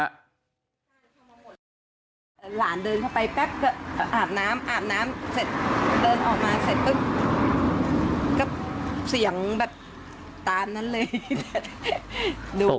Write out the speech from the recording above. หลานเดินเข้าไปแป๊บก็อาบน้ำอาบน้ำเสร็จเดินออกมาเสร็จปุ๊บ